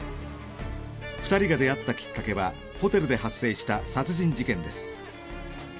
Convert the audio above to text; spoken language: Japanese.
２人が出会ったきっかけはホテルで発生した殺人事件です。